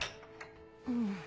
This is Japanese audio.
うん。